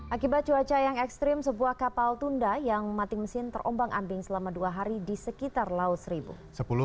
akibat cuaca yang ekstrim sebuah kapal tunda yang mati mesin terombang ambing selama dua hari di sekitar laut seribu